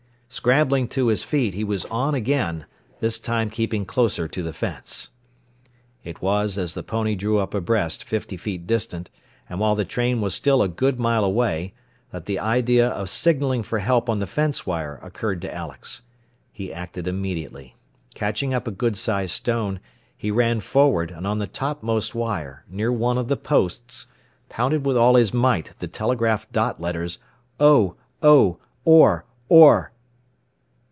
Scrambling to his feet, he was on again, this time keeping closer to the fence. It was as the pony drew up abreast fifty feet distant, and while the train was still a good mile away, that the idea of signalling for help on the fence wire occurred to Alex. He acted immediately. Catching up a good sized stone, he ran forward, and on the topmost wire, near one of the posts, pounded with all his might the telegraph dot letters "_Oh! Oh! Orr! Orr!